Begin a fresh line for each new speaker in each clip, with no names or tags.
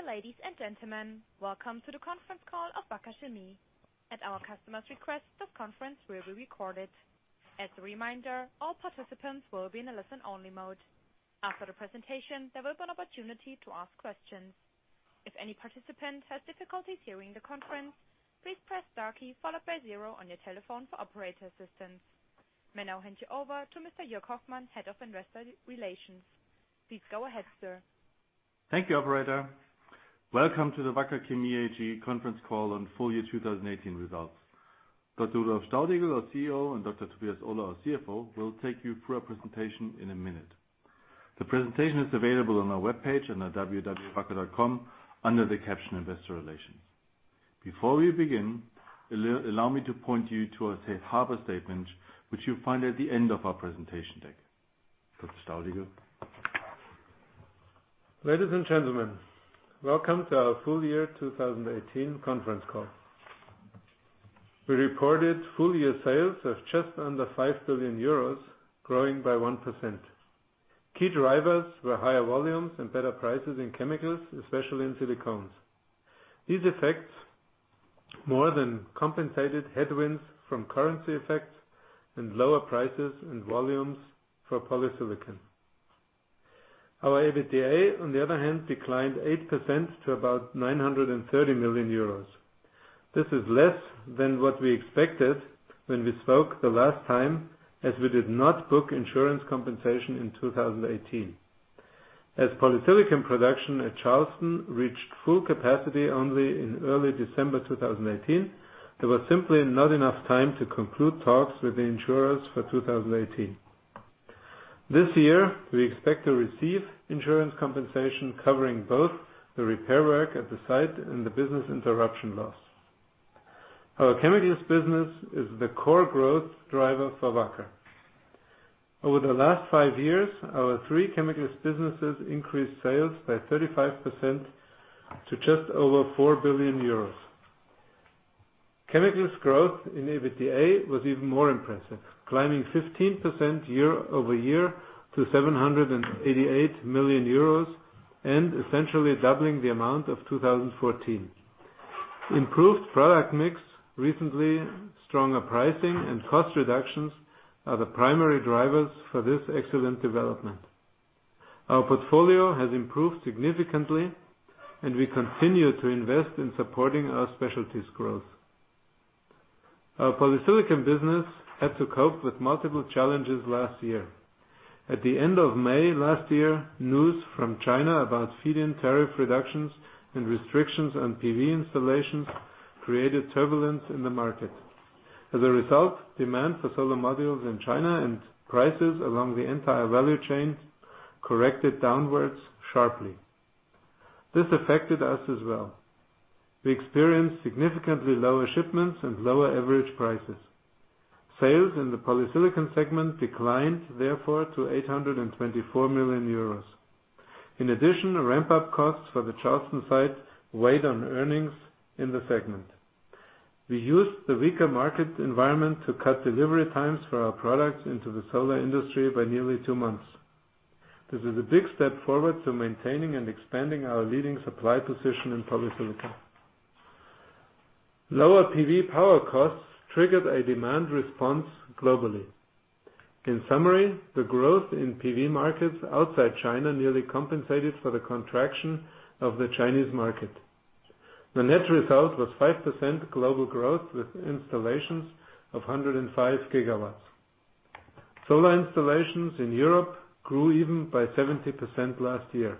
Dear ladies and gentlemen. Welcome to the conference call of Wacker Chemie. At our customer's request, this conference will be recorded. As a reminder, all participants will be in a listen-only mode. After the presentation, there will be an opportunity to ask questions. If any participant has difficulties hearing the conference, please press star key followed by zero on your telephone for operator assistance. May now hand you over to Mr. Jörg Hoffmann, Head of Investor Relations. Please go ahead, sir.
Thank you, operator. Welcome to the Wacker Chemie AG conference call on full-year 2018 results. Dr. Rudolf Staudigl, our CEO, and Dr. Tobias Ohler, our CFO, will take you through our presentation in a minute. The presentation is available on our webpage and at www.wacker.com under the caption Investor Relations. Before we begin, allow me to point you to our safe harbor statement, which you'll find at the end of our presentation deck. Dr. Staudigl.
Ladies and gentlemen, welcome to our full-year 2018 conference call. We reported full-year sales of just under 5 billion euros, growing by 1%. Key drivers were higher volumes and better prices in chemicals, especially in silicones. These effects more than compensated headwinds from currency effects and lower prices and volumes for polysilicon. Our EBITDA, on the other hand, declined 8% to about 930 million euros. This is less than what we expected when we spoke the last time, as we did not book insurance compensation in 2018. As polysilicon production at Charleston reached full capacity only in early December 2018, there was simply not enough time to conclude talks with the insurers for 2018. This year, we expect to receive insurance compensation covering both the repair work at the site and the business interruption loss. Our chemicals business is the core growth driver for Wacker. Over the last five years, our three chemicals businesses increased sales by 35% to just over 4 billion euros. Chemicals growth in EBITDA was even more impressive, climbing 15% year-over-year to 788 million euros, and essentially doubling the amount of 2014. Improved product mix, recently stronger pricing, and cost reductions are the primary drivers for this excellent development. Our portfolio has improved significantly, and we continue to invest in supporting our specialties growth. Our polysilicon business had to cope with multiple challenges last year. At the end of May last year, news from China about feed-in tariff reductions and restrictions on PV installations created turbulence in the market. As a result, demand for solar modules in China and prices along the entire value chain corrected downwards sharply. This affected us as well. We experienced significantly lower shipments and lower average prices. Sales in the polysilicon segment declined therefore to 824 million euros. In addition, ramp-up costs for the Charleston site weighed on earnings in the segment. We used the weaker market environment to cut delivery times for our products into the solar industry by nearly two months. This is a big step forward to maintaining and expanding our leading supply position in polysilicon. Lower PV power costs triggered a demand response globally. In summary, the growth in PV markets outside China nearly compensated for the contraction of the Chinese market. The net result was 5% global growth with installations of 105 gigawatts. Solar installations in Europe grew even by 70% last year.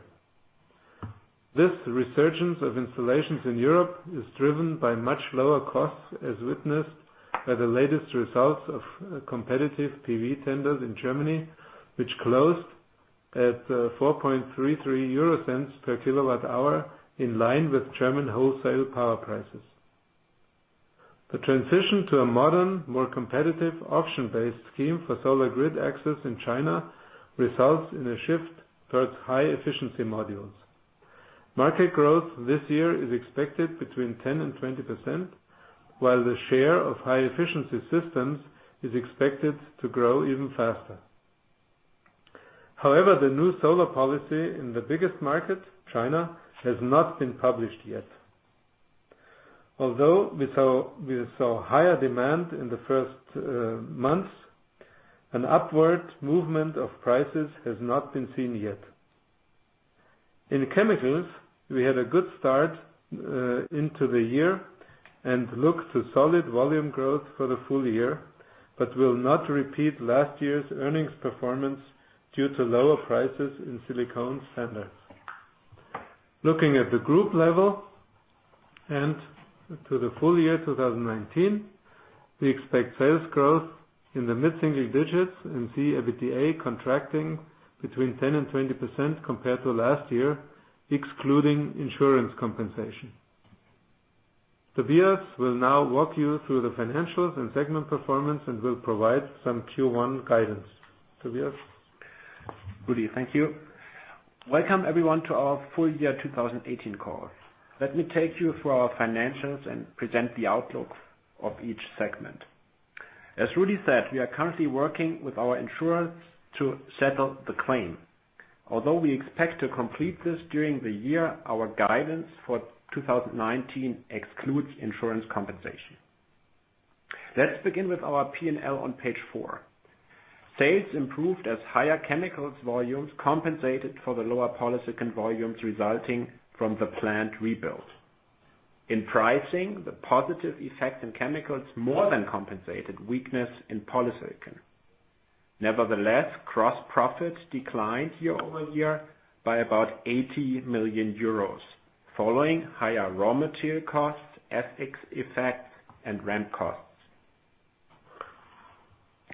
This resurgence of installations in Europe is driven by much lower costs, as witnessed by the latest results of competitive PV tenders in Germany, which closed at 0.0433 per kilowatt hour, in line with German wholesale power prices. The transition to a modern, more competitive option-based scheme for solar grid access in China results in a shift towards high-efficiency modules. Market growth this year is expected between 10% and 20%, while the share of high-efficiency systems is expected to grow even faster. The new solar policy in the biggest market, China, has not been published yet. Although we saw higher demand in the first months, an upward movement of prices has not been seen yet. In chemicals, we had a good start into the year and look to solid volume growth for the full year, but will not repeat last year's earnings performance due to lower prices in silicones and VAE. Looking at the group level and to the full year 2019, we expect sales growth in the mid-single digits and see EBITDA contracting between 10% and 20% compared to last year, excluding insurance compensation. Tobias will now walk you through the financials and segment performance and will provide some Q1 guidance. Tobias.
Rudi, thank you. Welcome everyone to our full year 2018 call. Let me take you through our financials and present the outlook of each segment. As Rudi said, we are currently working with our insurers to settle the claim. Although we expect to complete this during the year, our guidance for 2019 excludes insurance compensation. Let's begin with our P&L on page four. Sales improved as higher chemicals volumes compensated for the lower polysilicon volumes resulting from the plant rebuild. In pricing, the positive effect in chemicals more than compensated weakness in polysilicon. Nevertheless, gross profits declined year-over-year by about 80 million euros, following higher raw material costs, FX effects, and ramp costs.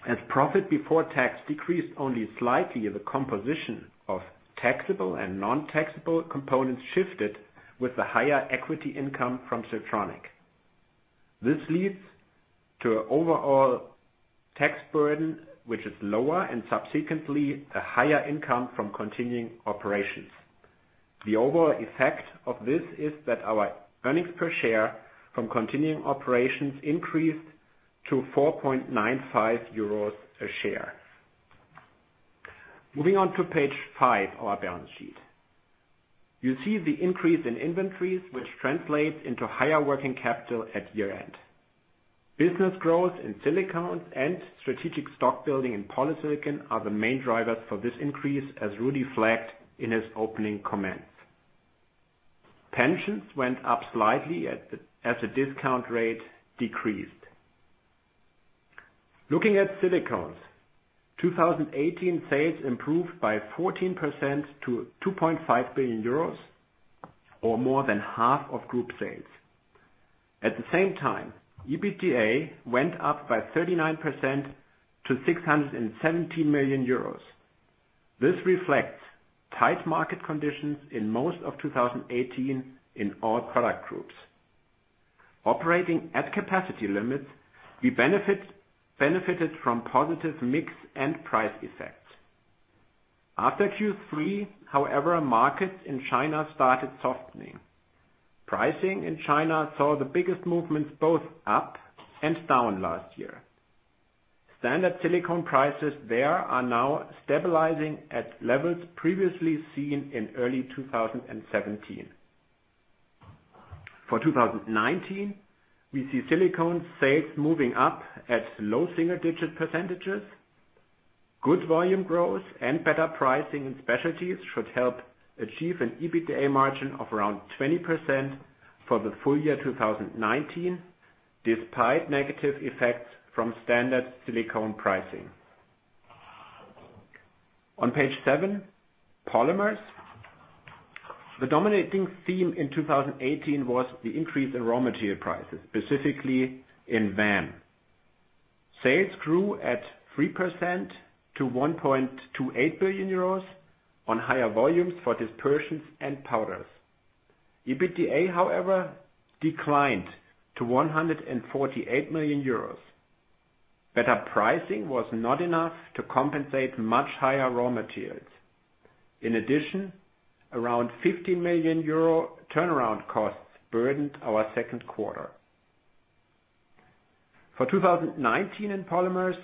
As profit before tax decreased only slightly, the composition of taxable and non-taxable components shifted with the higher equity income from Siltronic. This leads to an overall tax burden which is lower and subsequently a higher income from continuing operations. The overall effect of this is that our earnings per share from continuing operations increased to 4.95 euros a share. Moving on to page five, our balance sheet. You see the increase in inventories, which translates into higher working capital at year-end. Business growth in silicones and strategic stock building in polysilicon are the main drivers for this increase, as Rudi flagged in his opening comments. Pensions went up slightly as the discount rate decreased. Looking at silicones, 2018 sales improved by 14% to 2.5 billion euros, or more than half of group sales. At the same time, EBITDA went up by 39% to 617 million euros. This reflects tight market conditions in most of 2018 in all product groups. Operating at capacity limits, we benefited from positive mix and price effects. After Q3, however, markets in China started softening. Pricing in China saw the biggest movements both up and down last year. Standard silicone prices there are now stabilizing at levels previously seen in early 2017. For 2019, we see silicone sales moving up at low single-digit percent. Good volume growth and better pricing in specialties should help achieve an EBITDA margin of around 20% for the full year 2019, despite negative effects from standard silicone pricing. On page seven, Polymers. The dominating theme in 2018 was the increase in raw material prices, specifically in VAM. Sales grew at 3% to 1.28 billion euros on higher volumes for dispersions and powders. EBITDA, however, declined to 148 million euros. Better pricing was not enough to compensate much higher raw materials. In addition, around 50 million euro turnaround costs burdened our second quarter. For 2019 in Polymers,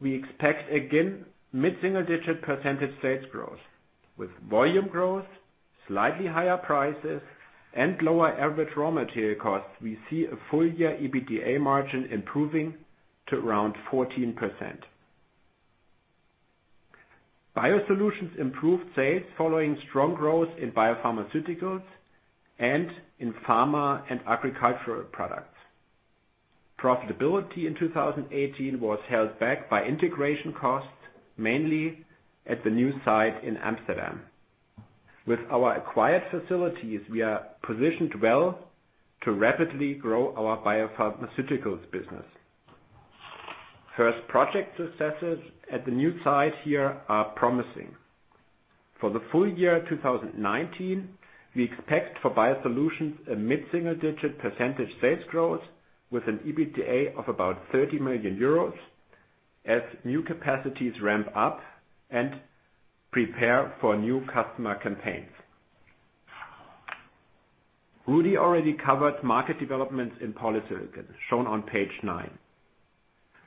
we expect again mid-single-digit percent sales growth with volume growth, slightly higher prices, and lower average raw material costs. We see a full year EBITDA margin improving to around 14%. Biosolutions improved sales following strong growth in biopharmaceuticals and in pharma and agricultural products. Profitability in 2018 was held back by integration costs, mainly at the new site in Amsterdam. With our acquired facilities, we are positioned well to rapidly grow our biopharmaceuticals business. First project successes at the new site here are promising. For the full year 2019, we expect for Biosolutions a mid-single-digit percent sales growth with an EBITDA of about 30 million euros as new capacities ramp up and prepare for new customer campaigns. Rudi already covered market developments in polysilicon, shown on page nine.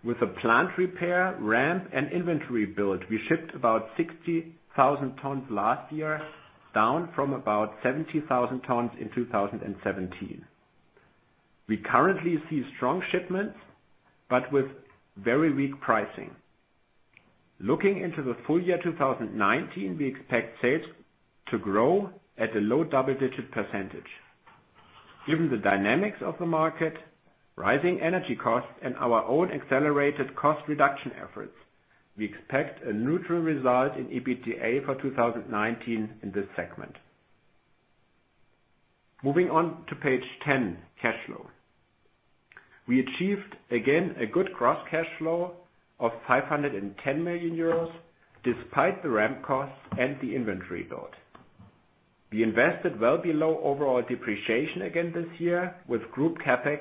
With a plant repair, ramp, and inventory build, we shipped about 60,000 tons last year, down from about 70,000 tons in 2017. We currently see strong shipments, but with very weak pricing. Looking into the full year 2019, we expect sales to grow at a low double-digit percent. Given the dynamics of the market, rising energy costs, and our own accelerated cost reduction efforts, we expect a neutral result in EBITDA for 2019 in this segment. Moving on to page 10, cash flow. We achieved again a good gross cash flow of 510 million euros, despite the ramp costs and the inventory build. We invested well below overall depreciation again this year with group CapEx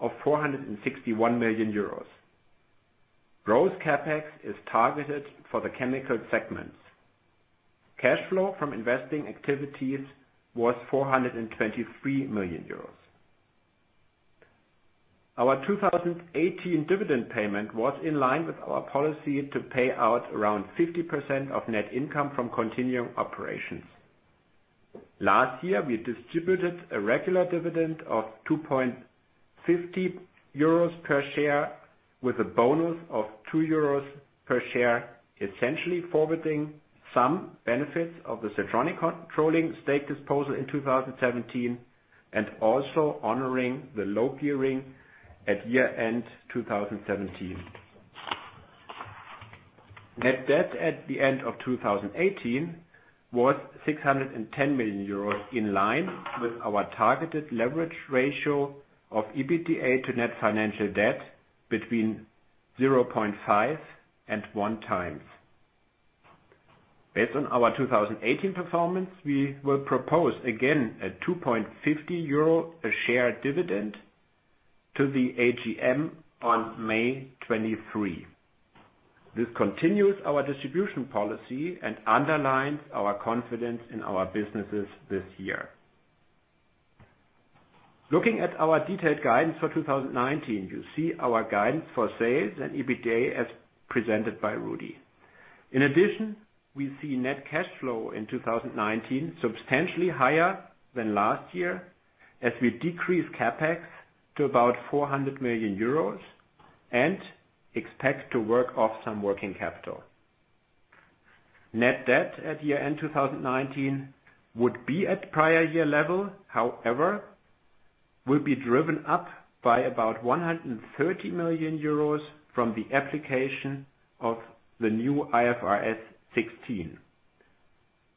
of 461 million euros. Gross CapEx is targeted for the chemical segments. Cash flow from investing activities was 423 million euros. Our 2018 dividend payment was in line with our policy to pay out around 50% of net income from continuing operations. Last year, we distributed a regular dividend of 2.50 euros per share with a bonus of 2 euros per share, essentially forwarding some benefits of the Siltronic controlling stake disposal in 2017, and also honoring the low gearing at year-end 2017. Net debt at the end of 2018 was 610 million euros, in line with our targeted leverage ratio of EBITDA to net financial debt between 0.5 and 1 times. Based on our 2018 performance, we will propose again a 2.50 euro a share dividend to the AGM on May 23. This continues our distribution policy and underlines our confidence in our businesses this year. Looking at our detailed guidance for 2019, you see our guidance for sales and EBITDA as presented by Rudi. In addition, we see net cash flow in 2019 substantially higher than last year, as we decrease CapEx to about 400 million euros and expect to work off some working capital. Net debt at year-end 2019 would be at prior year level. It will be driven up by about 130 million euros from the application of the new IFRS 16.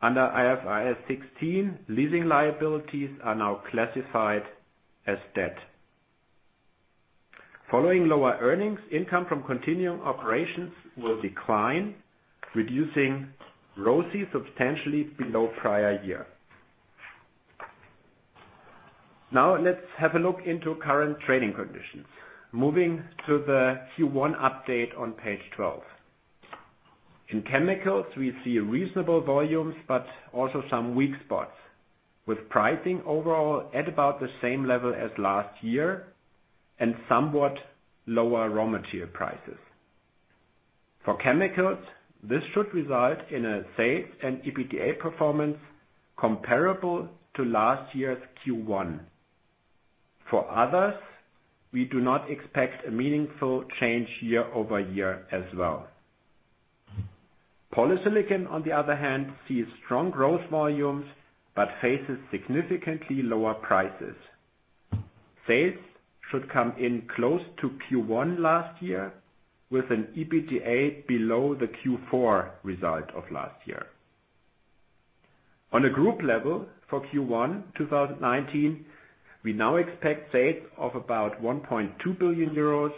Under IFRS 16, leasing liabilities are now classified as debt. Following lower earnings, income from continuing operations will decline, reducing ROCE substantially below prior year. Let's have a look into current trading conditions. Moving to the Q1 update on page 12. In Chemicals, we see reasonable volumes but also some weak spots, with pricing overall at about the same level as last year and somewhat lower raw material prices. For Chemicals, this should result in a sales and EBITDA performance comparable to last year's Q1. For others, we do not expect a meaningful change year-over-year as well. Polysilicon, on the other hand, sees strong growth volumes but faces significantly lower prices. Sales should come in close to Q1 last year with an EBITDA below the Q4 result of last year. On a group level for Q1 2019, we now expect sales of about 1.2 billion euros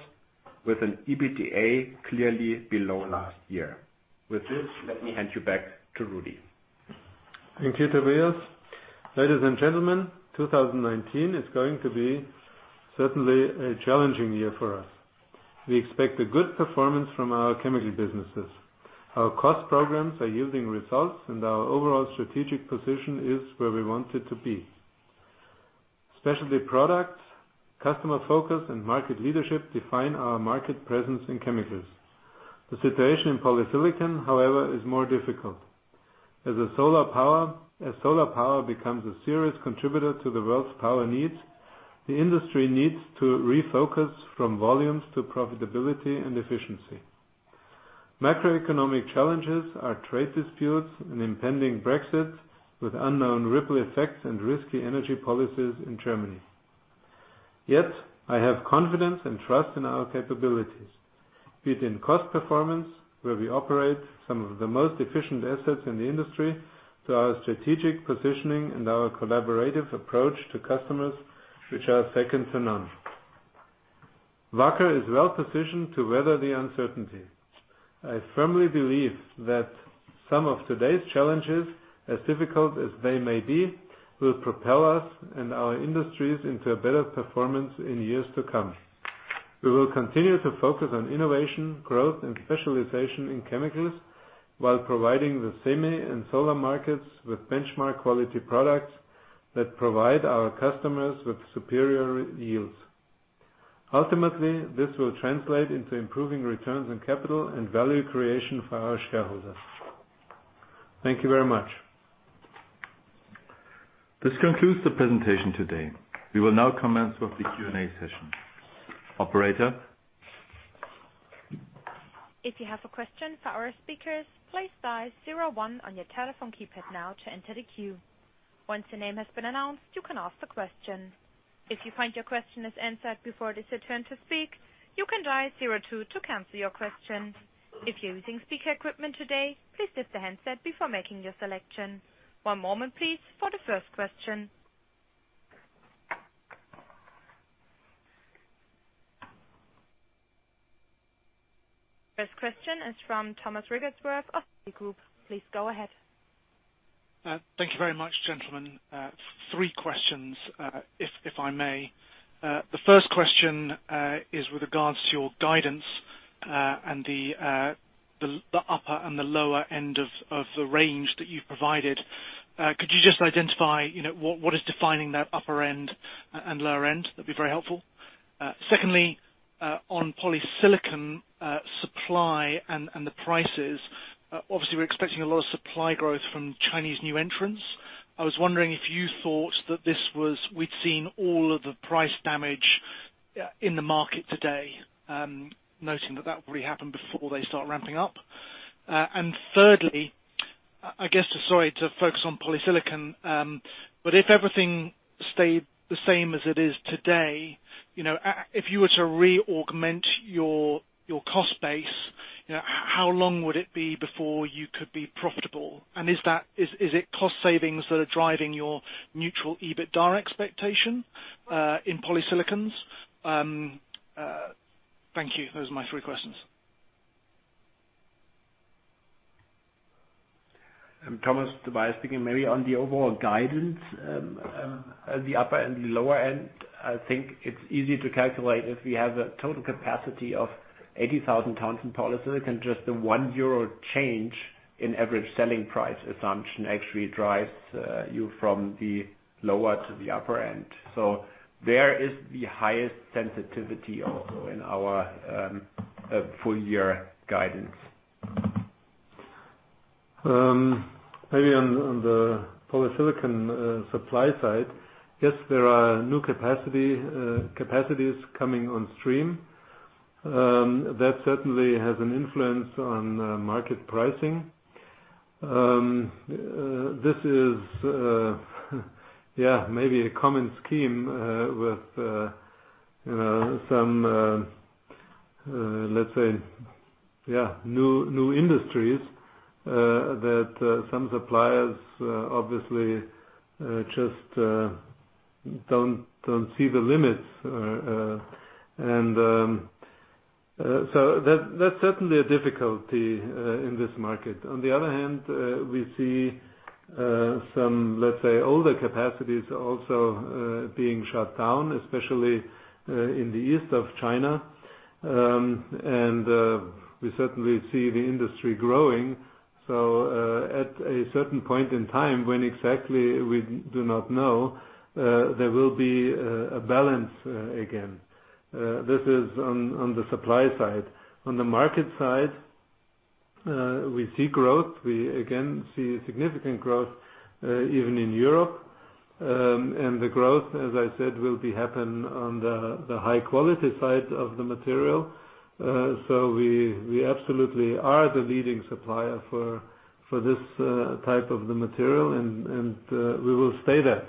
with an EBITDA clearly below last year. With this, let me hand you back to Rudi.
Thank you, Tobias. Ladies and gentlemen, 2019 is going to be certainly a challenging year for us. We expect a good performance from our chemical businesses. Our cost programs are yielding results, and our overall strategic position is where we want it to be. Specialty products, customer focus, and market leadership define our market presence in chemicals. The situation in polysilicon, however, is more difficult. As solar power becomes a serious contributor to the world's power needs, the industry needs to refocus from volumes to profitability and efficiency. Macroeconomic challenges are trade disputes and impending Brexit with unknown ripple effects and risky energy policies in Germany. Yet, I have confidence and trust in our capabilities, be it in cost performance, where we operate some of the most efficient assets in the industry, to our strategic positioning and our collaborative approach to customers, which are second to none. Wacker is well-positioned to weather the uncertainty. I firmly believe that some of today's challenges, as difficult as they may be, will propel us and our industries into a better performance in years to come. We will continue to focus on innovation, growth, and specialization in chemicals while providing the semi and solar markets with benchmark quality products that provide our customers with superior yields. Ultimately, this will translate into improving returns on capital and value creation for our shareholders. Thank you very much.
This concludes the presentation today. We will now commence with the Q&A session. Operator?
If you have a question for our speakers, please dial 01 on your telephone keypad now to enter the queue. Once your name has been announced, you can ask the question. If you find your question is answered before it is your turn to speak, you can dial 02 to cancel your question. If you're using speaker equipment today, please lift the handset before making your selection. One moment, please, for the first question. First question is from Thomas Wrigglesworth of the Group. Please go ahead.
Thank you very much, gentlemen. Three questions, if I may. The first question is with regards to your guidance, and the upper and the lower end of the range that you've provided. Could you just identify what is defining that upper end and lower end? That'd be very helpful. Secondly, on polysilicon supply and the prices. Obviously, we're expecting a lot of supply growth from Chinese new entrants. I was wondering if you thought that we'd seen all of the price damage in the market today, noting that that would probably happen before they start ramping up. Thirdly, I guess, sorry to focus on polysilicon, but if everything stayed the same as it is today, if you were to re-augment your cost base, how long would it be before you could be profitable? Is it cost savings that are driving your neutral EBITDA expectation in polysilicon? Thank you. Those are my three questions.
Thomas Tobias speaking. On the overall guidance, the upper and the lower end, I think it's easy to calculate if we have a total capacity of 80,000 tons in polysilicon, just the 1 euro change in average selling price assumption actually drives you from the lower to the upper end. There is the highest sensitivity also in our full-year guidance.
On the polysilicon supply side, yes, there are new capacities coming on stream. That certainly has an influence on market pricing. This is a common scheme with some, let's say, new industries that some suppliers obviously just don't see the limits. That's certainly a difficulty in this market. On the other hand, we see some, let's say, older capacities also being shut down, especially in the east of China. We certainly see the industry growing. At a certain point in time, when exactly we do not know, there will be a balance again. This is on the supply side. On the market side, we see growth. We again see significant growth even in Europe. The growth, as I said, will happen on the high-quality side of the material. We absolutely are the leading supplier for this type of material, and we will stay that.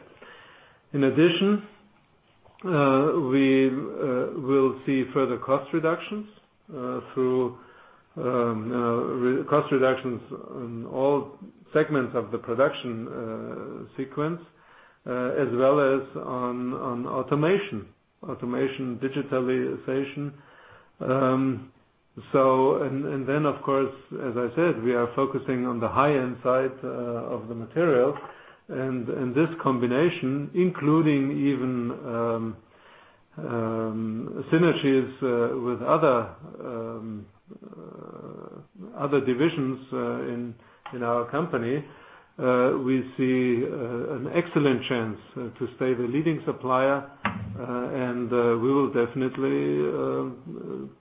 In addition, we will see further cost reductions through cost reductions on all segments of the production sequence, as well as on automation, digitalization. Of course, as I said, we are focusing on the high-end side of the material, and this combination, including even synergies with other divisions in our company, we see an excellent chance to stay the leading supplier, and we will definitely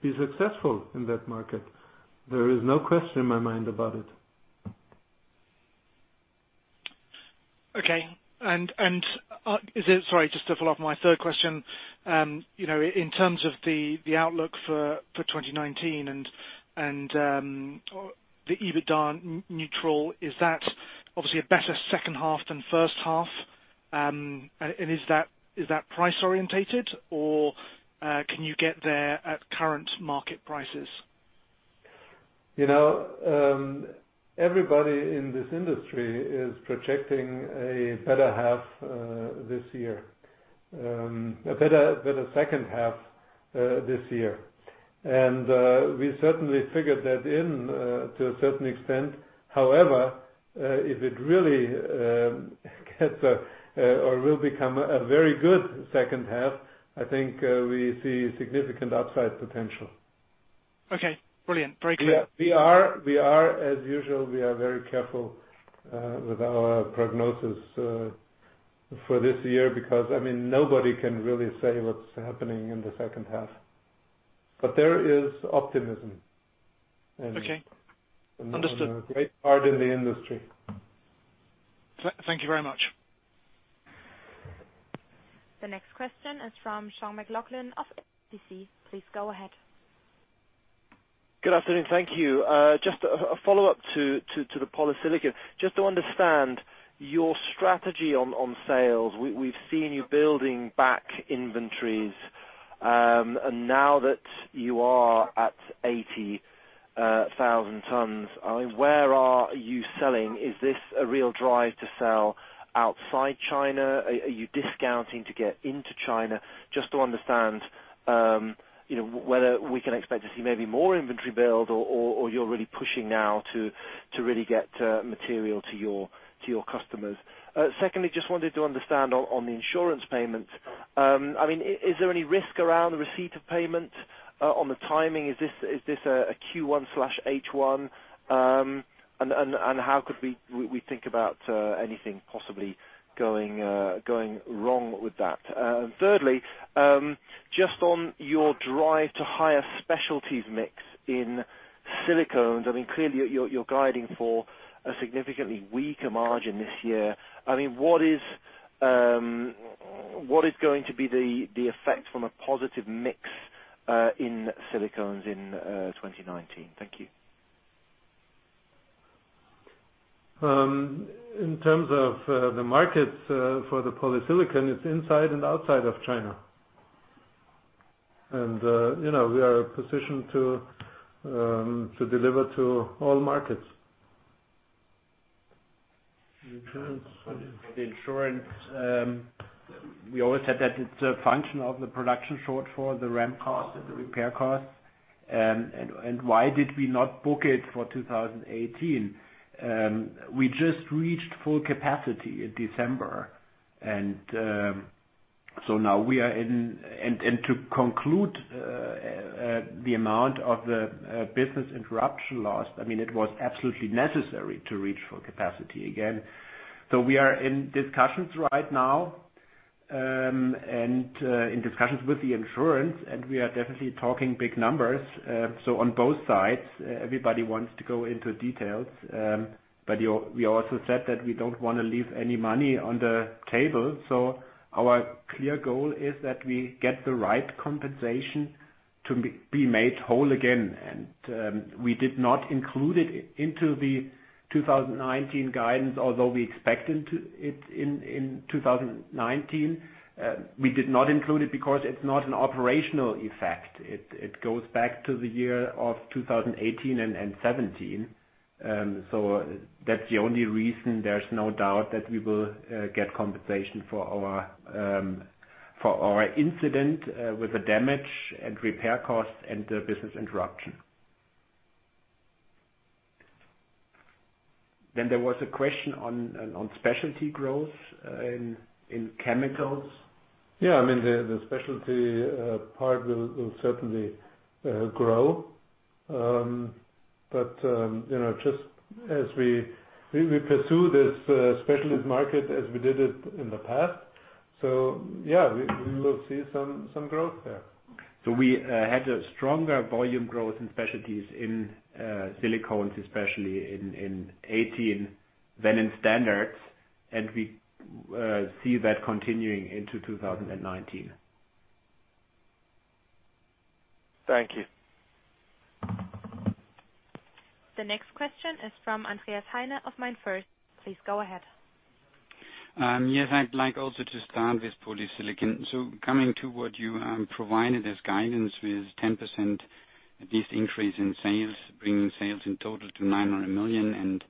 be successful in that market. There is no question in my mind about it.
Okay. Sorry, just to follow up my third question, in terms of the outlook for 2019 and the EBITDA neutral, is that obviously a better second half than first half? Is that price-orientated, or can you get there at current market prices?
Everybody in this industry is projecting a better second half this year, and we certainly figured that in to a certain extent. However, if it really gets or will become a very good second half, I think we see significant upside potential.
Okay, brilliant. Very clear.
We are, as usual, very careful with our prognosis for this year because nobody can really say what's happening in the second half. There is optimism.
Okay. Understood.
A great part in the industry.
Thank you very much.
The next question is from Sean McLoughlin of HSBC. Please go ahead.
Good afternoon. Thank you. Just a follow-up to the polysilicon, just to understand your strategy on sales. We've seen you building back inventories. Now that you are at 80,000 tons, where are you selling? Is this a real drive to sell outside China? Are you discounting to get into China? Just to understand whether we can expect to see maybe more inventory build or you're really pushing now to really get material to your customers. Secondly, just wanted to understand on the insurance payment. Is there any risk around the receipt of payment, on the timing? Is this a Q1/H1? How could we think about anything possibly going wrong with that? Thirdly, just on your drive to higher specialties mix in silicones. Clearly, you're guiding for a significantly weaker margin this year. What is going to be the effect from a positive mix in silicones in 2019? Thank you.
In terms of the markets for the polysilicon, it's inside and outside of China. We are positioned to deliver to all markets.
The insurance. We always said that it's a function of the production shortfall, the ramp cost, and the repair costs. Why did we not book it for 2018? We just reached full capacity in December. To conclude the amount of the business interruption loss, it was absolutely necessary to reach full capacity again. We are in discussions right now. In discussions with the insurance, and we are definitely talking big numbers. On both sides, everybody wants to go into details. We also said that we don't want to leave any money on the table. Our clear goal is that we get the right compensation to be made whole again. We did not include it into the 2019 guidance, although we expected it in 2019. We did not include it because it's not an operational effect. It goes back to the year of 2018 and 2017. That's the only reason there's no doubt that we will get compensation for our incident, with the damage and repair costs and the business interruption. There was a question on specialty growth in chemicals.
The specialty part will certainly grow. Just as we pursue this specialist market as we did it in the past. We will see some growth there.
We had a stronger volume growth in specialties in silicones, especially in 2018, than in standards. We see that continuing into 2019.
Thank you.
The next question is from Andreas Heine of MainFirst. Please go ahead.
Yes, I'd like also to start with polysilicon. Coming to what you provided as guidance with 10%, this increase in sales, bringing sales in total to 900 million and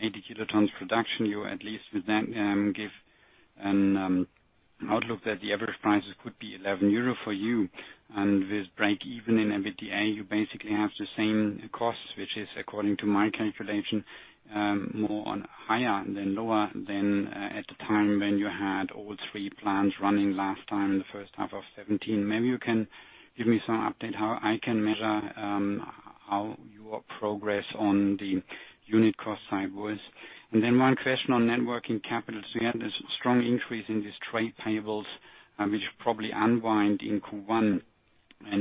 80 kilotons production. You at least with that give an outlook that the average prices could be 11 euro for you. With break-even in EBITDA, you basically have the same costs, which is according to my calculation, more on higher than lower than at the time when you had all three plants running last time in the first half of 2017. Maybe you can give me some update how I can measure how your progress on the unit cost side was. One question on net working capital. We had this strong increase in these trade payables, which probably unwind in Q1.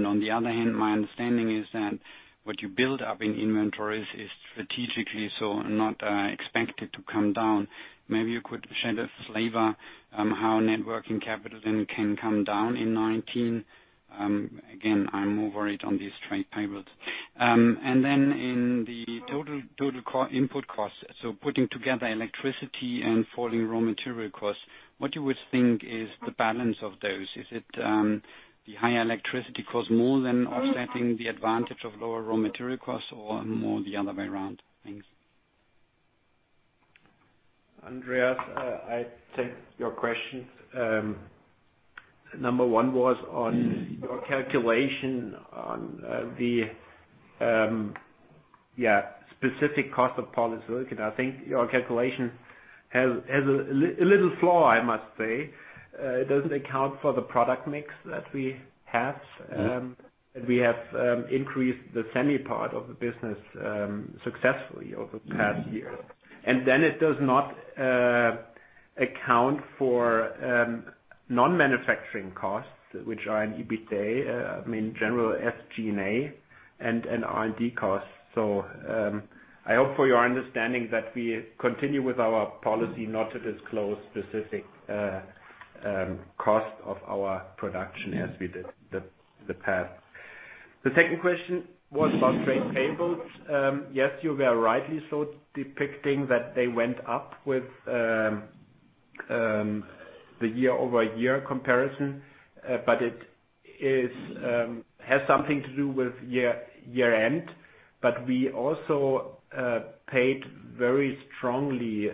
On the other hand, my understanding is that what you build up in inventories is strategically, not expected to come down. Maybe you could shed a flavor on how net working capital then can come down in 2019. Again, I'm worried on these trade payables. In the total input costs, putting together electricity and falling raw material costs, what you would think is the balance of those? Is it the higher electricity costs more than offsetting the advantage of lower raw material costs or more the other way around? Thanks.
Andreas, I take your questions. Number one was on your calculation on the specific cost of polysilicon. I think your calculation has a little flaw, I must say. It doesn't account for the product mix that we have. We have increased the semi part of the business successfully over the past year. It does not account for non-manufacturing costs, which are in EBITDA, I mean, general SG&A and R&D costs. I hope for your understanding that we continue with our policy not to disclose specific cost of our production as we did the past. The second question was about trade payables. Yes, you were rightly so depicting that they went up with the year-over-year comparison. It has something to do with year-end. We also paid very strongly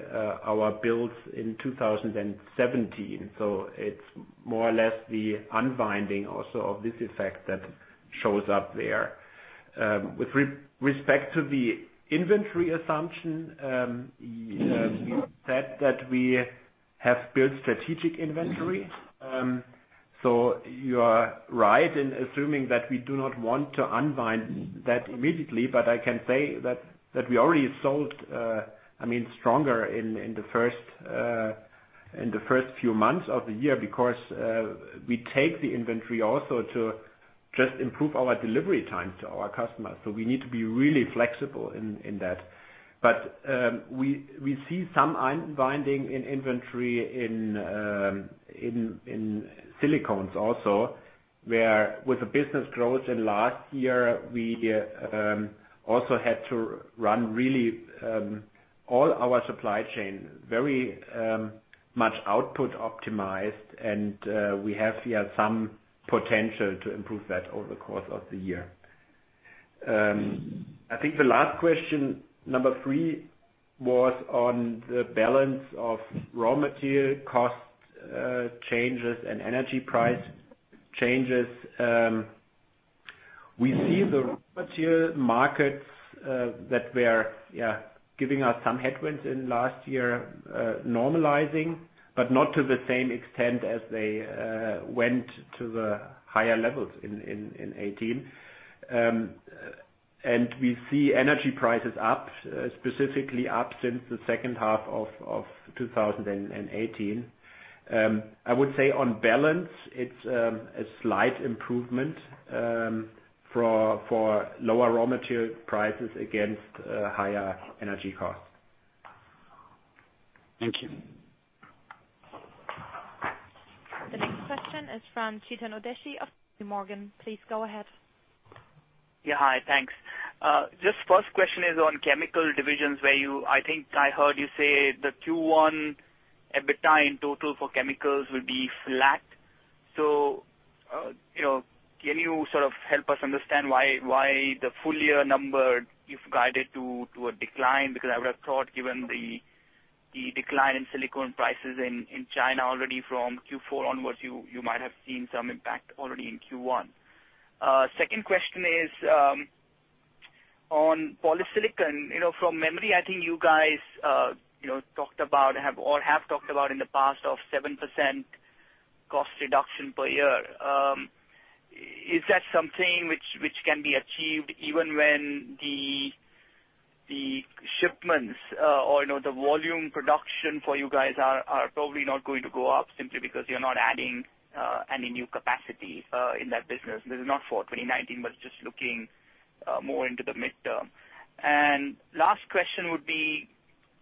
our bills in 2017. It's more or less the unbinding also of this effect that shows up there. With respect to the inventory assumption, you said that we have built strategic inventory. You are right in assuming that we do not want to unbind that immediately, I can say that we already sold stronger in the first few months of the year because we take the inventory also to just improve our delivery time to our customers. We need to be really flexible in that. We see some unbinding in inventory in silicones also, where with the business growth in last year, we also had to run really all our supply chain, very much output optimized. We have here some potential to improve that over the course of the year. I think the last question, number three, was on the balance of raw material cost changes and energy price changes. We see the raw material markets that were giving us some headwinds in last year normalizing, but not to the same extent as they went to the higher levels in 2018. We see energy prices up, specifically up since the second half of 2018. I would say on balance, it's a slight improvement for lower raw material prices against higher energy costs.
Thank you.
The next question is from Chetan Udeshi of JPMorgan. Please go ahead.
Yeah. Hi, thanks. First question is on chemical divisions where I think I heard you say the Q1 EBITDA in total for chemicals will be flat. Can you sort of help us understand why the full year number you've guided to a decline? I would have thought, given the decline in silicone prices in China already from Q4 onwards, you might have seen some impact already in Q1. Second question is on polysilicon. From memory, I think you guys talked about or have talked about in the past of 7% cost reduction per year. Is that something which can be achieved even when the shipments or the volume production for you guys are probably not going to go up simply because you're not adding any new capacity in that business? This is not for 2019, but just looking more into the midterm. Last question would be,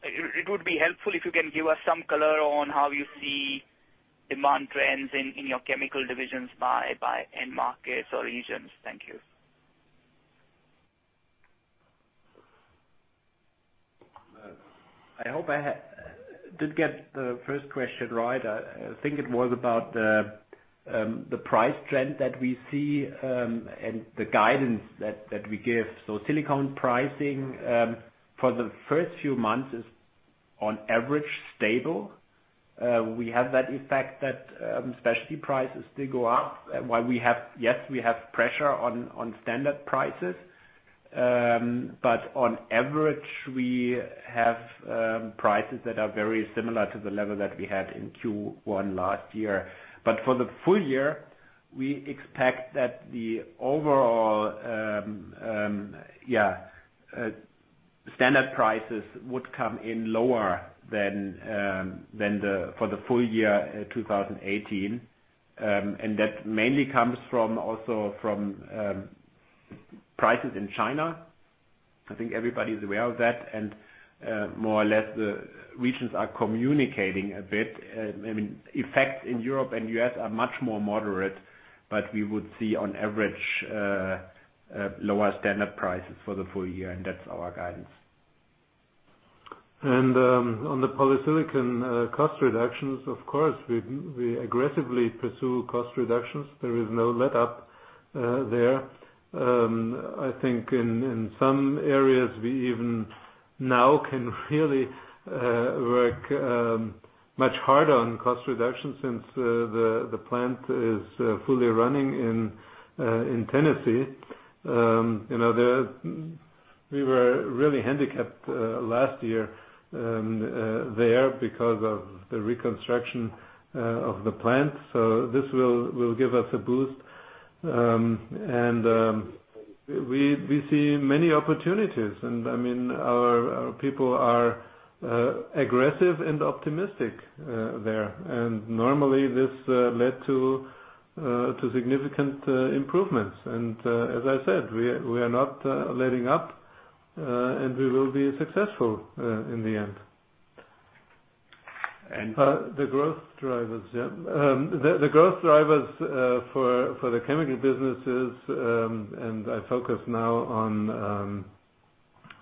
it would be helpful if you can give us some color on how you see demand trends in your chemical divisions by end markets or regions. Thank you.
I hope I did get the first question right. I think it was about the price trend that we see, and the guidance that we give. Silicone pricing, for the first few months, is on average stable. We have that effect that specialty prices still go up. While we have, yes, we have pressure on standard prices. On average, we have prices that are very similar to the level that we had in Q1 last year. For the full year, we expect that the overall standard prices would come in lower than for the full year 2018. That mainly comes from prices in China. I think everybody is aware of that. More or less the regions are communicating a bit. Effects in Europe and U.S. are much more moderate, we would see on average lower standard prices for the full year, that's our guidance.
On the polysilicon cost reductions, of course, we aggressively pursue cost reductions. There is no letup there. I think in some areas, we even now can really work much harder on cost reduction since the plant is fully running in Tennessee. We were really handicapped last year there because of the reconstruction of the plant. This will give us a boost. We see many opportunities, and our people are aggressive and optimistic there. Normally this led to significant improvements. As I said, we are not letting up, and we will be successful in the end. The growth drivers. The growth drivers for the chemical businesses, and I focus now on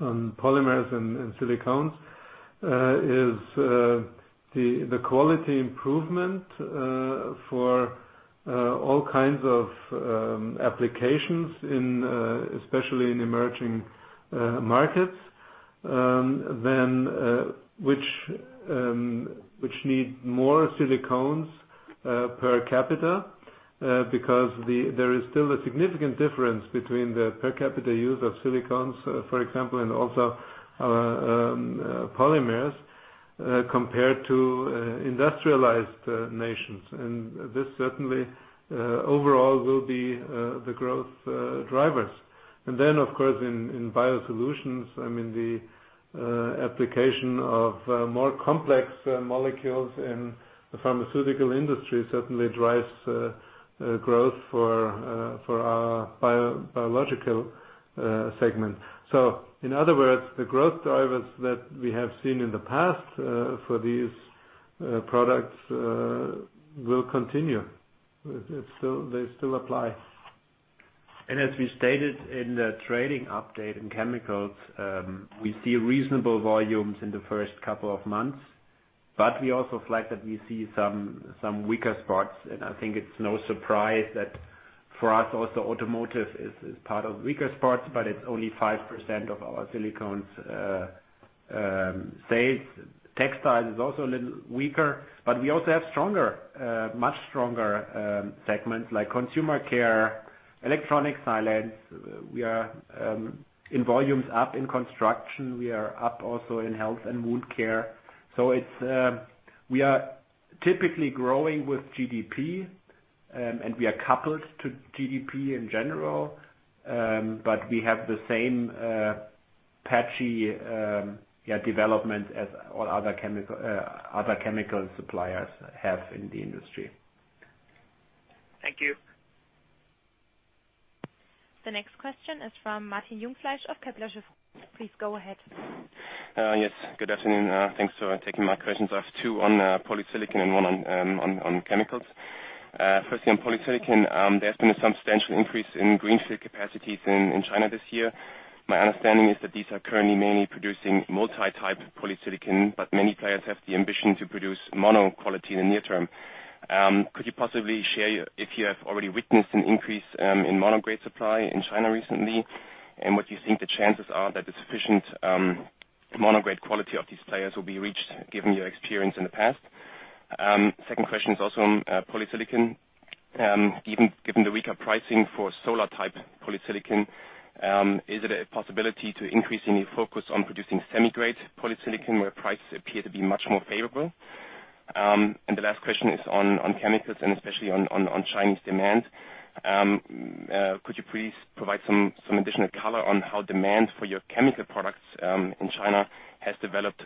Polymers and Silicones, is the quality improvement for all kinds of applications, especially in emerging markets, which need more Silicones per capita, because there is still a significant difference between the per capita use of Silicones, for example, and also Polymers, compared to industrialized nations. This certainly, overall, will be the growth drivers. Then, of course, in Biosolutions, the application of more complex molecules in the pharmaceutical industry certainly drives growth for our biological segment. In other words, the growth drivers that we have seen in the past for these products will continue. They still apply.
As we stated in the trading update in chemicals, we see reasonable volumes in the first couple of months. We also flagged that we see some weaker spots. I think it's no surprise that for us also, automotive is part of the weaker spots, but it's only 5% of our Silicones sales. Textiles is also a little weaker. We also have much stronger segments like consumer care, electronic silicones. We are in volumes up in construction. We are up also in health and wound care. We are typically growing with GDP, and we are coupled to GDP in general. We have the same patchy development as all other chemical suppliers have in the industry.
Thank you.
The next question is from Martin Jungfleisch of Kepler Cheuvreux. Please go ahead.
Yes, good afternoon. Thanks for taking my questions. I have two on polysilicon and one on chemicals. Firstly, on polysilicon, there has been a substantial increase in greenfield capacities in China this year. My understanding is that these are currently mainly producing multi-type polysilicon, but many players have the ambition to produce mono quality in the near term. Could you possibly share if you have already witnessed an increase in mono-grade supply in China recently? What do you think the chances are that the sufficient mono-grade quality of these players will be reached, given your experience in the past? Second question is also on polysilicon. Given the weaker pricing for solar-type polysilicon, is it a possibility to increasingly focus on producing semi-grade polysilicon, where prices appear to be much more favorable? The last question is on chemicals and especially on Chinese demand. Could you please provide some additional color on how demand for your chemical products in China has developed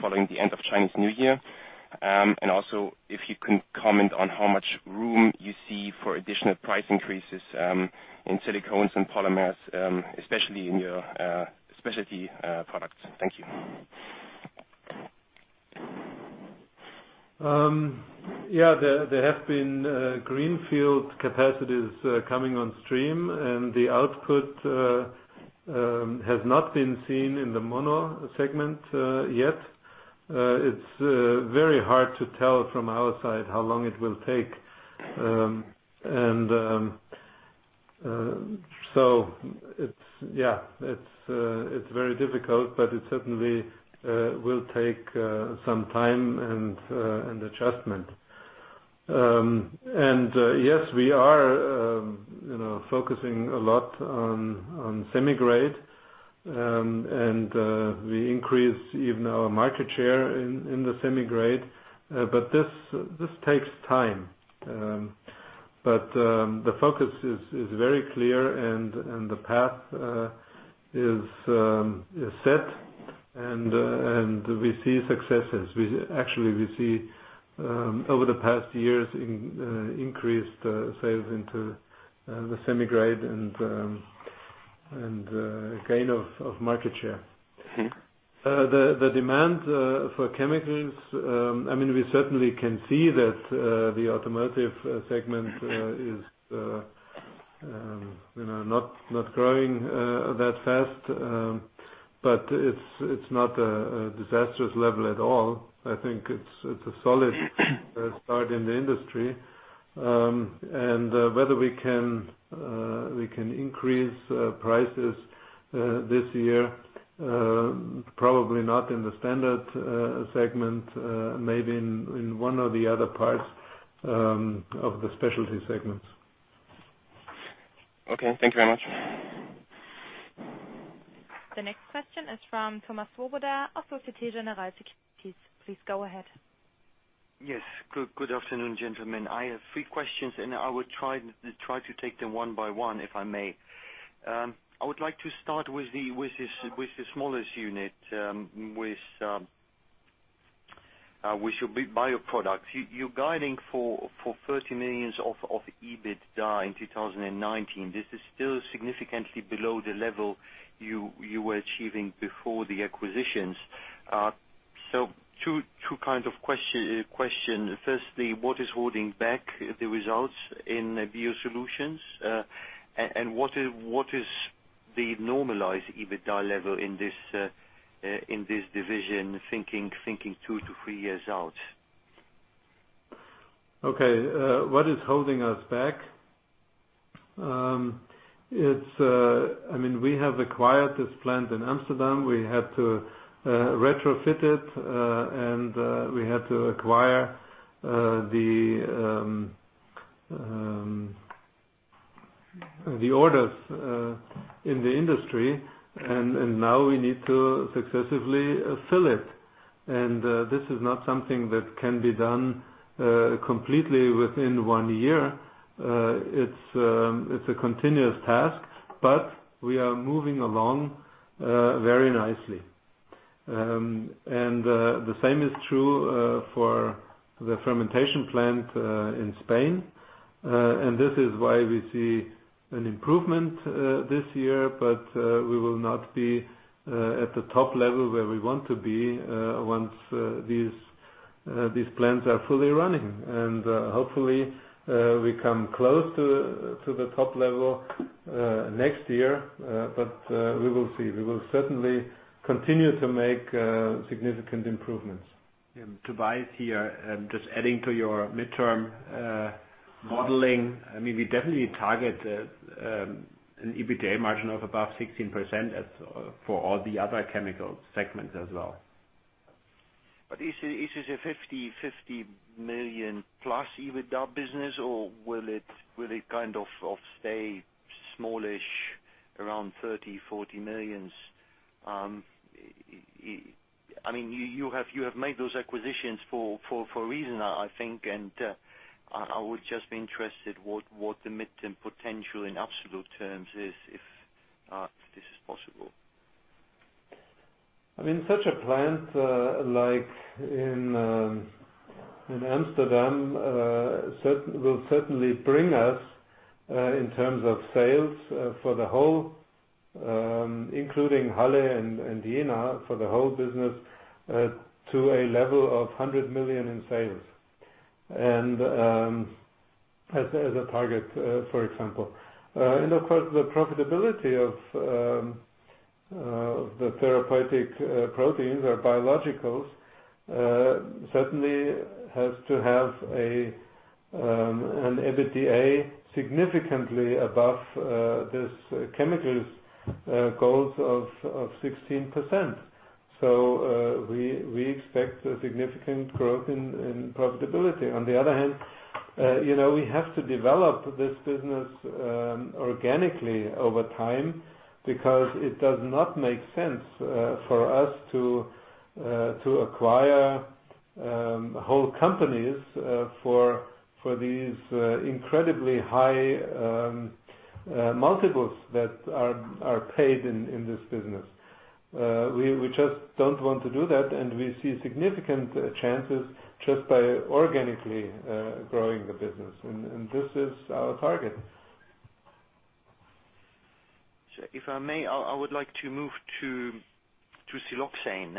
following the end of Chinese New Year? Also, if you can comment on how much room you see for additional price increases in silicones and polymers, especially in your specialty products. Thank you.
There have been greenfield capacities coming on stream, and the output has not been seen in the mono segment yet. It is very hard to tell from outside how long it will take. It is very difficult, but it certainly will take some time and adjustment. Yes, we are focusing a lot on semi-grade. We increase even our market share in the semi-grade. This takes time. The focus is very clear, and the path is set. We see successes. Actually, we see, over the past years, increased sales into the semi-grade and gain of market share. The demand for chemicals, we certainly can see that the automotive segment is not growing that fast. It's not a disastrous level at all. I think it's a solid start in the industry. Whether we can increase prices this year, probably not in the standard segment. Maybe in one or the other parts of the specialty segments.
Okay. Thank you very much.
The next question is from Thomas Swoboda of Société Générale Securities. Please go ahead.
Yes. Good afternoon, gentlemen. I have three questions. I will try to take them one by one, if I may. I would like to start with the smallest unit, with your bioproducts. You're guiding for 30 million of EBITDA in 2019. This is still significantly below the level you were achieving before the acquisitions. Two kinds of question. Firstly, what is holding back the results in Biosolutions, and what is the normalized EBITDA level in this division, thinking two to three years out?
Okay. What is holding us back? We have acquired this plant in Amsterdam. We had to retrofit it. We had to acquire the orders in the industry, and now we need to successively fill it. This is not something that can be done completely within one year. It's a continuous task. We are moving along very nicely. The same is true for the fermentation plant in Spain. This is why we see an improvement this year. We will not be at the top level where we want to be once these plants are fully running. Hopefully, we come close to the top level next year. We will see. We will certainly continue to make significant improvements.
Yeah. Tobias here. Just adding to your midterm modeling, we definitely target an EBITDA margin of above 16% as for all the other chemical segments as well.
Is this a 50 million-plus EBITDA business, or will it stay smallish around 30 million, 40 million? You have made those acquisitions for a reason, I think. I would just be interested what the midterm potential in absolute terms is, if this is possible.
Such a plant like in Amsterdam will certainly bring us, in terms of sales for the whole, including Halle and Jena, for the whole business, to a level of 100 million in sales as a target, for example. Of course, the profitability of the therapeutic proteins or biologicals certainly has to have an EBITDA significantly above this chemicals goals of 16%. We expect a significant growth in profitability. On the other hand, we have to develop this business organically over time because it does not make sense for us to acquire whole companies for these incredibly high multiples that are paid in this business. We just don't want to do that. We see significant chances just by organically growing the business. This is our target.
If I may, I would like to move to siloxane.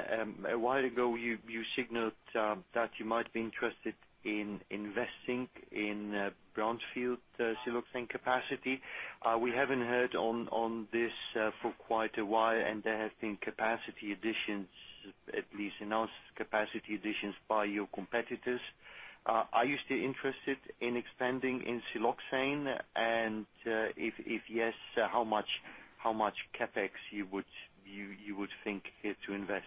A while ago, you signaled that you might be interested in investing in brownfield siloxane capacity. We haven't heard on this for quite a while, and there have been capacity additions, at least announced capacity additions by your competitors. Are you still interested in expanding in siloxane? If yes, how much CapEx you would think here to invest?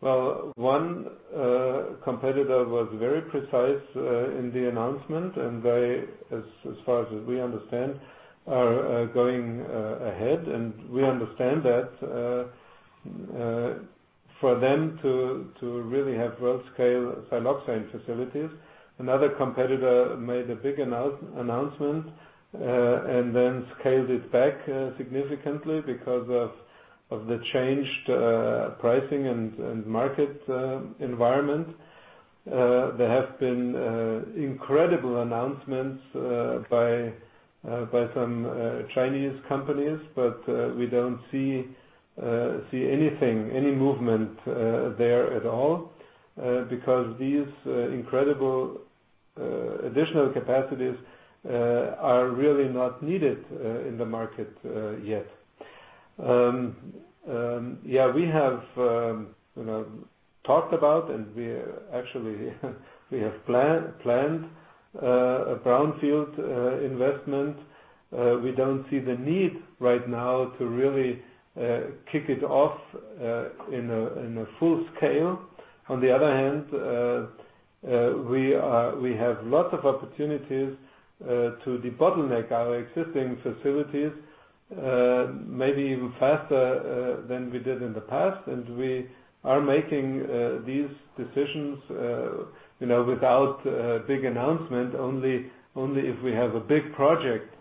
Well, one competitor was very precise in the announcement, they, as far as we understand, are going ahead. We understand that for them to really have world-scale siloxane facilities. Another competitor made a big announcement and then scaled it back significantly because of the changed pricing and market environment. There have been incredible announcements by some Chinese companies, we don't see anything, any movement there at all, because these incredible additional capacities are really not needed in the market yet. We have talked about, and we actually have planned a brownfield investment. We don't see the need right now to really kick it off in a full scale. On the other hand, we have lots of opportunities to debottleneck our existing facilities, maybe even faster than we did in the past, and we are making these decisions without a big announcement. Only if we have a big project,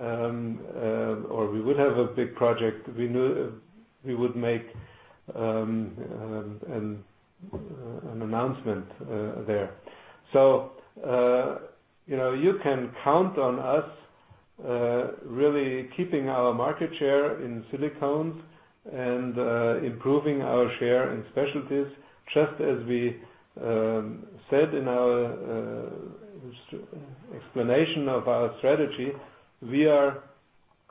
or we would have a big project, we would make an announcement there. You can count on us really keeping our market share in silicones and improving our share in specialties, just as we said in our explanation of our strategy. We are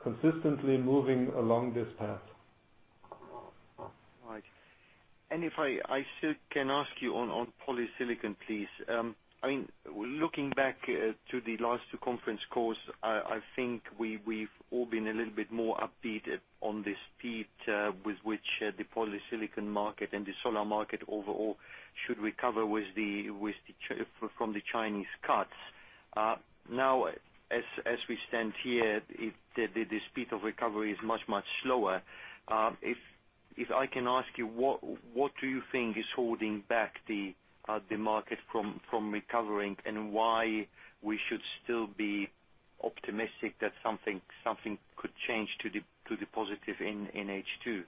consistently moving along this path.
Right. If I still can ask you on polysilicon, please. Looking back to the last two conference calls, I think we've all been a little bit more upbeat on the speed with which the polysilicon market and the solar market overall should recover from the Chinese cuts. Now, as we stand here, the speed of recovery is much, much slower. If I can ask you, what do you think is holding back the market from recovering, and why we should still be optimistic that something could change to the positive in H2?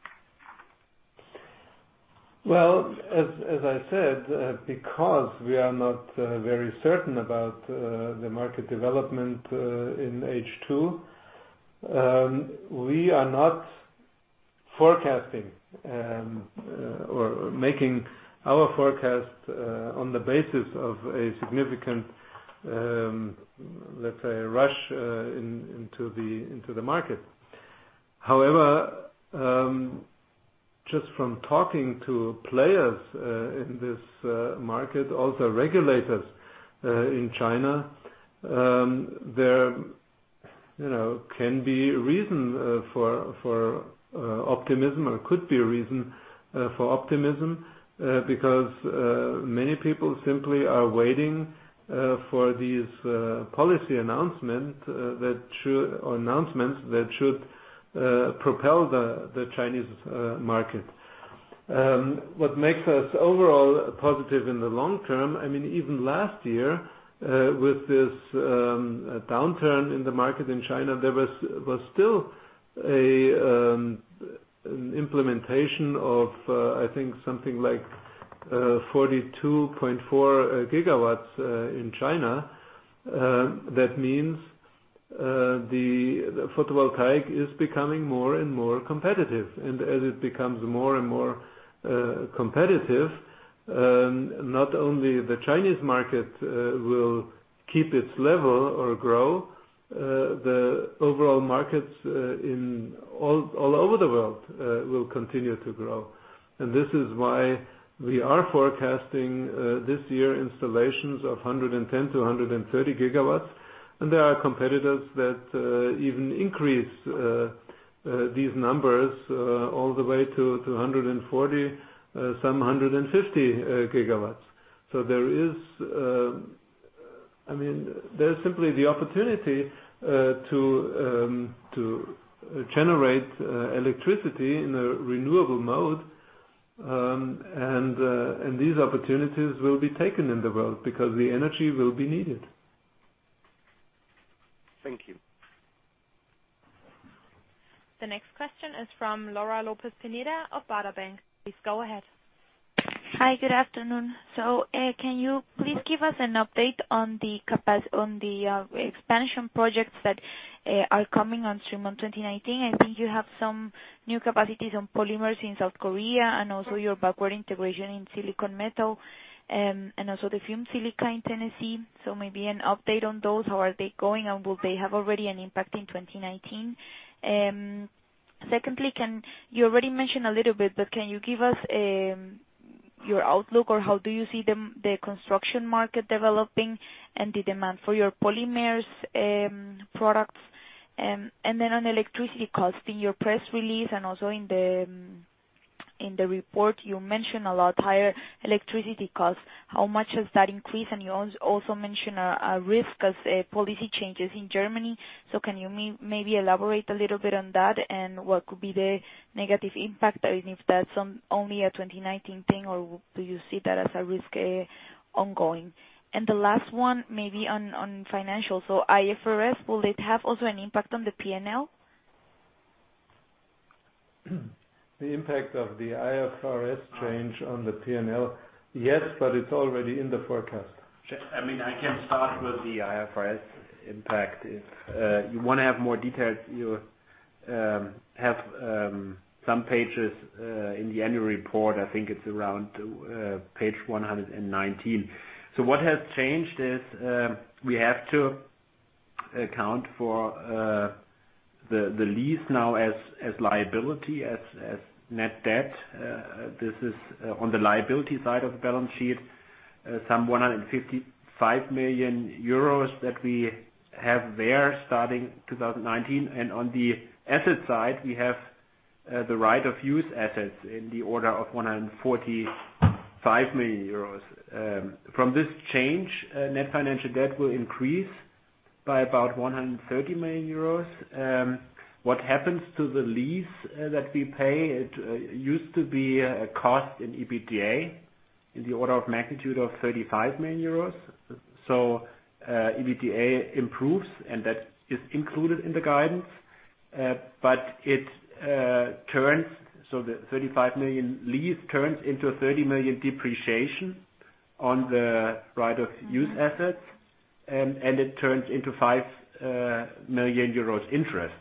Well, as I said, because we are not very certain about the market development in H2, we are not forecasting or making our forecast on the basis of a significant, let's say, rush into the market. However, just from talking to players in this market, also regulators in China, there can be reason for optimism, or could be a reason for optimism, because many people simply are waiting for these policy announcements that should propel the Chinese market. What makes us overall positive in the long term, even last year, with this downturn in the market in China, there was still an implementation of, I think, something like 42.4 gigawatts in China. That means the photovoltaic is becoming more and more competitive. As it becomes more and more competitive, not only the Chinese market will keep its level or grow. The overall markets all over the world will continue to grow. This is why we are forecasting this year installations of 110-130 gigawatts, and there are competitors that even increase these numbers all the way to 140-150 gigawatts. There's simply the opportunity to generate electricity in a renewable mode, these opportunities will be taken in the world because the energy will be needed.
Thank you.
The next question is from Laura Lopez Pineda of Baader Bank. Please go ahead.
Hi, good afternoon. Can you please give us an update on the expansion projects that are coming on stream on 2019? I think you have some new capacities on polymers in South Korea and also your backward integration in silicon metal and also the Fumed Silica in Tennessee. Maybe an update on those, how are they going, and will they have already an impact in 2019? Secondly, you already mentioned a little bit, but can you give us your outlook or how do you see the construction market developing and the demand for your polymers products? On electricity cost, in your press release and also in the report, you mentioned a lot higher electricity cost. How much has that increased? You also mentioned a risk as policy changes in Germany. Can you maybe elaborate a little bit on that and what could be the negative impact if that's only a 2019 thing, or do you see that as a risk ongoing? The last one, maybe on financials. IFRS, will it have also an impact on the P&L?
The impact of the IFRS change on the P&L. Yes. It's already in the forecast.
I can start with the IFRS impact. If you want to have more details, you have some pages in the annual report. I think it's around page 119. What has changed is we have to account for the lease now as liability, as net debt. This is on the liability side of the balance sheet, some 155 million euros that we have there starting 2019. On the asset side, we have the right of use assets in the order of 145 million euros. From this change, net financial debt will increase by about 130 million euros. What happens to the lease that we pay, it used to be a cost in EBITDA in the order of magnitude of 35 million euros. EBITDA improves, and that is included in the guidance. But the 35 million lease turns into a 30 million depreciation on the right of use assets, and it turns into 5 million euros interest.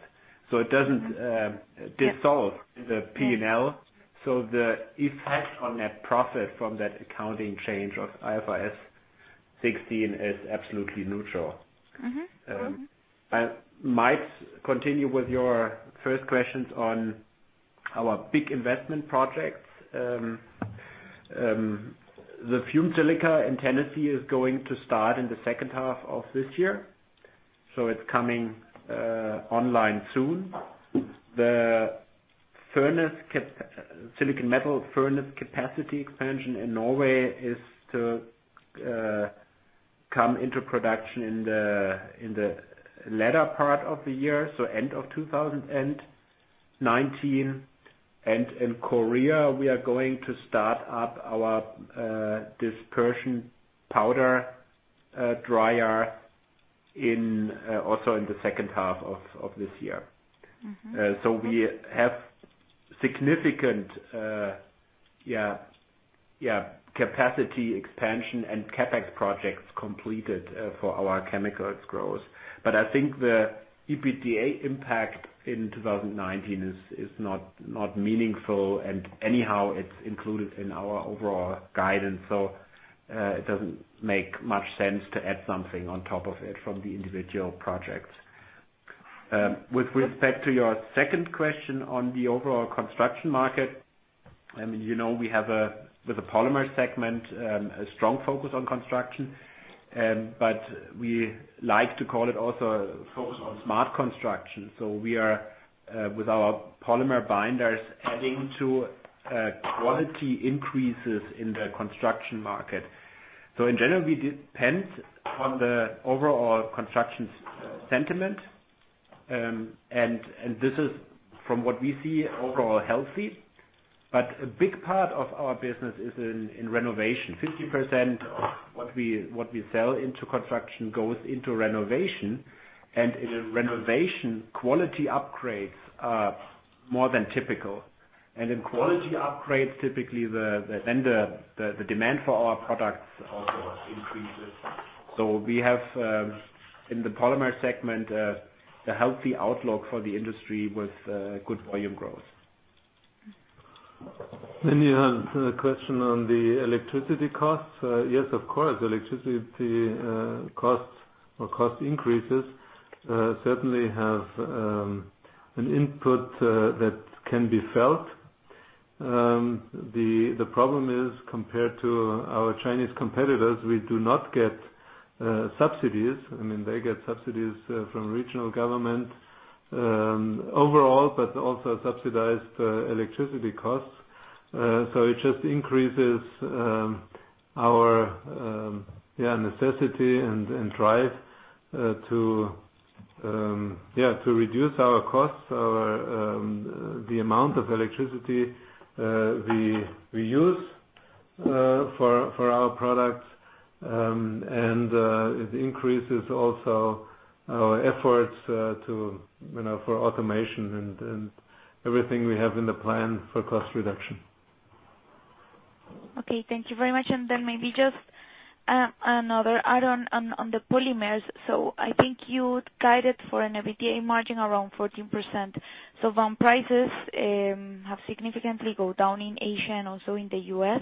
It doesn't dissolve the P&L. The effect on that profit from that accounting change of IFRS 16 is absolutely neutral. I might continue with your first questions on our big investment projects. The Fumed Silica in Tennessee is going to start in the second half of this year, so it's coming online soon. The silicon metal furnace capacity expansion in Norway is to come into production in the latter part of the year, so end of 2019. In Korea, we are going to start up our dispersion powder dryer also in the second half of this year. We have significant capacity expansion and CapEx projects completed for our chemicals growth. I think the EBITDA impact in 2019 is not meaningful, and anyhow, it's included in our overall guidance. It doesn't make much sense to add something on top of it from the individual projects. With respect to your second question on the overall construction market, we have a, with the polymer segment, a strong focus on construction. We like to call it also a focus on smart construction. We are, with our polymer binders, adding to quality increases in the construction market. In general, we depend on the overall construction sentiment. This is from what we see overall healthy. A big part of our business is in renovation. 50% of what we sell into construction goes into renovation. In renovation, quality upgrades are more than typical. In quality upgrades, typically, then the demand for our products also increases. We have, in the polymer segment, a healthy outlook for the industry with good volume growth.
You have the question on the electricity costs. Yes, of course. Electricity costs or cost increases certainly have an input that can be felt. The problem is, compared to our Chinese competitors, we do not get subsidies. They get subsidies from regional government overall, but also subsidized electricity costs. It just increases our necessity and drive to reduce our costs or the amount of electricity we use for our products. It increases also our efforts for automation and everything we have in the plan for cost reduction.
Okay. Thank you very much. Maybe just another add-on on the polymers. I think you guided for an EBITDA margin around 14%. Raw material prices have significantly gone down in Asia and also in the U.S.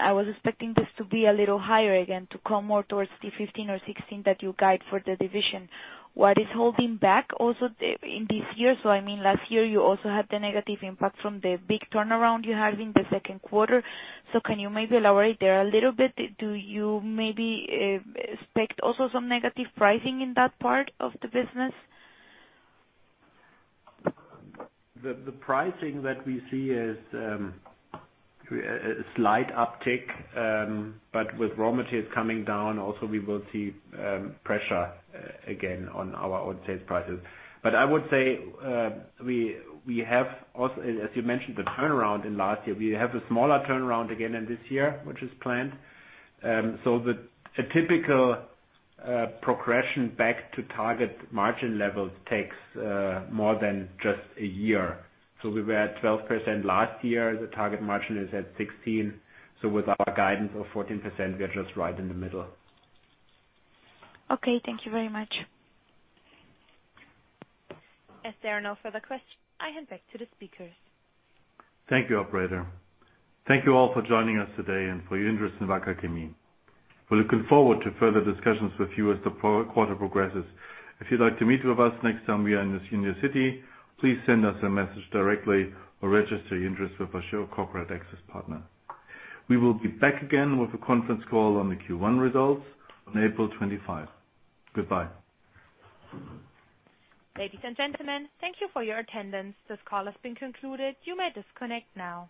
I was expecting this to be a little higher, again, to come more towards the 15 or 16 that you guide for the division. What is holding back also in this year? Last year, you also had the negative impact from the big turnaround you had in the second quarter. Can you maybe elaborate there a little bit? Do you maybe expect also some negative pricing in that part of the business?
The pricing that we see is a slight uptick. With raw materials coming down also, we will see pressure again on our own sales prices. I would say we have also, as you mentioned, the turnaround in last year. We have a smaller turnaround again in this year, which is planned. A typical progression back to target margin levels takes more than just a year. We were at 12% last year. The target margin is at 16. With our guidance of 14%, we are just right in the middle.
Okay. Thank you very much.
As there are no further questions, I hand back to the speakers.
Thank you, operator. Thank you all for joining us today and for your interest in Wacker Chemie. We are looking forward to further discussions with you as the quarter progresses. If you would like to meet with us next time we are in your city, please send us a message directly or register your interest with a Share Corporate Access partner. We will be back again with a conference call on the Q1 results on April 25. Goodbye.
Ladies and gentlemen, thank you for your attendance. This call has been concluded. You may disconnect now.